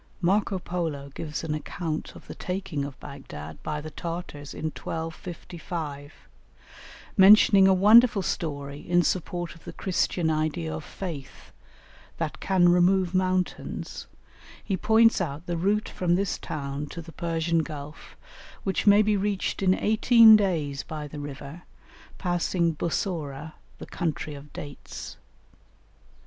Marco Polo gives an account of the taking of Baghdad by the Tartars in 1255; mentioning a wonderful story in support of the Christian idea of Faith, "that can remove mountains;" he points out the route from this town to the Persian Gulf, which may be reached in eighteen days by the river, passing Bussorah, the country of dates.